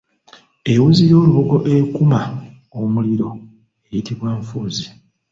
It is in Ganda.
Ewuzi y’olubugo ekuuma omuliro eyitibwa Nfuuzi.